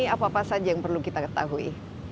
apa apa saja yang perlu kita ketahui